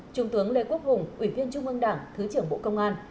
trung tướng lê quốc hùng ủy viên trung ương đảng thứ trưởng bộ công an